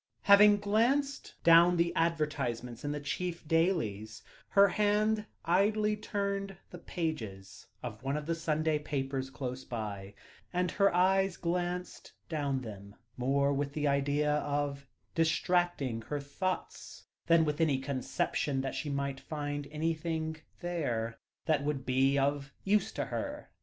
Having glanced down the advertisements in the chief dailies, her hand idly turned the pages of one of the Sunday papers close by, and her eyes glanced down them, more with the idea of distracting her thoughts, than with any conception that she might find anything there, that would be of use to her.